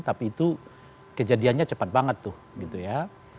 tapi itu kejadiannya cepat banget tuh gitu ya